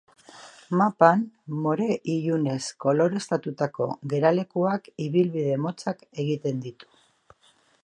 Mapan, more ilunez koloreztatutako geralekuak ibilbide motzak egiten ditu.